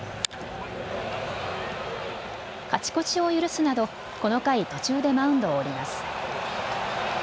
勝ち越しを許すなどこの回、途中でマウンドを降ります。